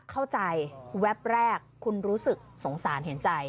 แวบแรกคุณรู้สึกสงสารเห็นใจ